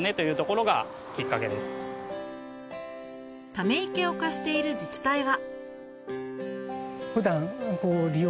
ため池を貸している自治体は